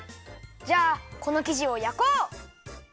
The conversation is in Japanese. じゃあこのきじをやこう！